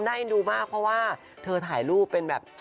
ได้ดูมากเพราะว่าเธอถ่ายรูปเป็นแบบ